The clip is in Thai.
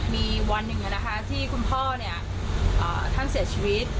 มีวันหนึ่งที่คุณพ่อท่านเสียชีวิต